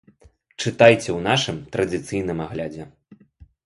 Чытайце ў нашым традыцыйным аглядзе.